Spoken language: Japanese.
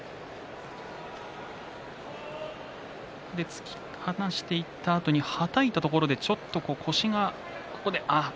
突き放していったあとにはたいたところでちょっと腰が。